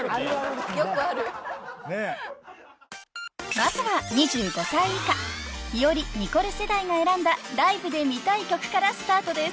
［まずは２５歳以下ひより・ニコル世代が選んだライブで見たい曲からスタートです］